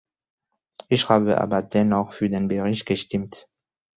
Ich habe aber dennoch für den Bericht gestimmt.